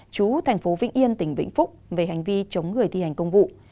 chú thành phố vĩnh yên tỉnh vĩnh phúc về hành vi chống người thi hành công vụ